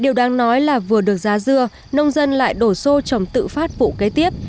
điều đáng nói là vừa được giá dưa nông dân lại đổ xô trồng tự phát vụ kế tiếp